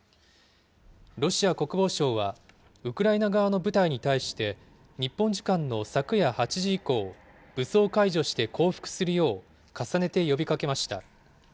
ロシア国防省は、ウクライナ側の部隊に対して、日本時間の昨夜８時以降、武装解除して降伏するよう、重ねて呼びかけました。